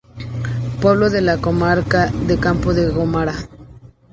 Pueblo de la Comarca de Campo de Gómara.